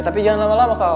ya tapi jangan lama lama kau